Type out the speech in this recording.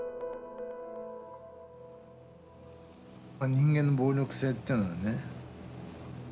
人間の暴力性っていうのはね何だと。